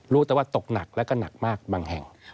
รู้แต่ว่าตกหนักแล้วก็หนักมากบางแห่ง